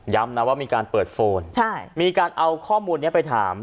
นะว่ามีการเปิดโฟนมีการเอาข้อมูลนี้ไปถาม